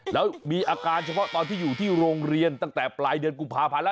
แล้วมีอาการเฉพาะตอนที่อยู่ที่โรงเรียนตั้งแต่ปลายเดือนกุมภาพันธ์แล้ว